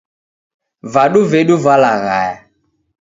Vadu vedu valaghaya.